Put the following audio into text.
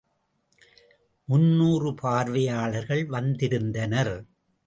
முன்னூறு பார்வையாளர்கள் வந்திருந்தனர்.